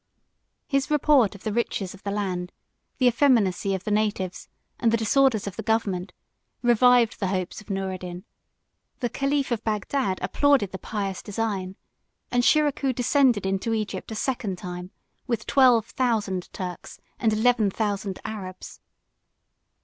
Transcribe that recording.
His report of the riches of the land, the effeminacy of the natives, and the disorders of the government, revived the hopes of Noureddin; the caliph of Bagdad applauded the pious design; and Shiracouh descended into Egypt a second time with twelve thousand Turks and eleven thousand Arabs.